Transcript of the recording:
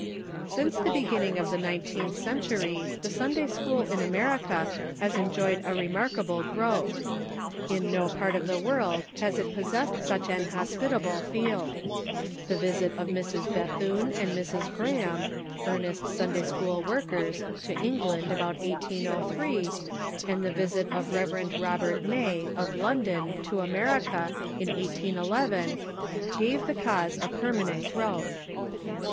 Since the beginning of the nineteenth century the Sunda}' school in America has enjoyed a remarkable growth. In no part of the world has it possessed such an hospitable field. The visit of Mrs. Ik'thunc and Mrs. Graham, earnest Sun day school workers, to England about 1803, and the visit of Rev. Robert May, of London, to America, in 1811, gave the cause a permanent growth.